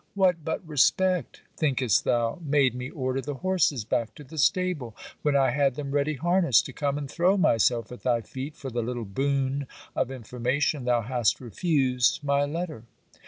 What but respect, thinkest thou, made me order the horses back to the stable, when I had them ready harnessed to come and throw myself at thy feet for the little boon of information thou hast refused my letter.